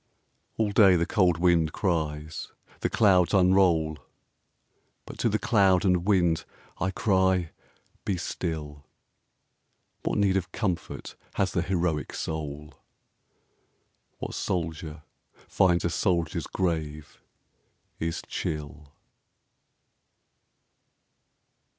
All day the cold wind cries, the clouds unroll; But to the cloud and wind I cry, "Be still!" What need of comfort has the heroic soul? What soldier finds a soldier's grave is chill?